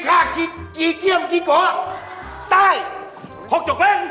คังคล็อกจิ๊กจกจิ๊กเหรงจิ๊กเหรงจิ๊กเหรง